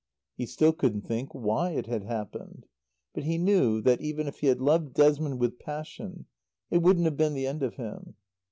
He still couldn't think why it had happened. But he knew that, even if he had loved Desmond with passion, it wouldn't have been the end of him.